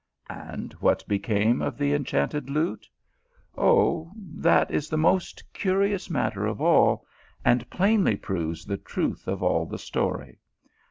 And what became of the enchanted lute ? Oh, that is the most curious matter of all, and plainly proves the truth of all the story.